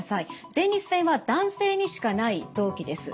前立腺は男性にしかない臓器です。